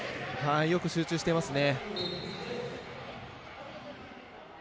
よく集中していますね。